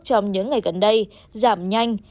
trong những ngày gần đây giảm nhanh